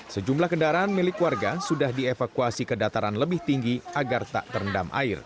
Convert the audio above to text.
sejumlah kendaraan milik warga sudah dievakuasi ke dataran lebih tinggi agar tak terendam air